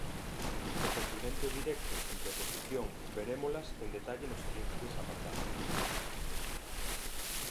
O complemento directo sen preposición Verémolas en detalle nos seguintes apartados.